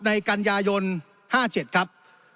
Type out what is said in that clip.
กันยายน๕๗ครับ